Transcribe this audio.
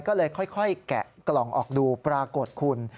ก็เลยค่อยแกะกล่องออกดูปรากฏคุณ